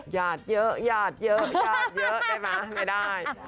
หยาดเยอะหยาดเยอะหยาดเยอะได้มั้ยไม่ได้